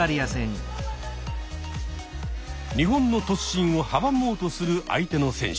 日本の突進を阻もうとする相手の選手。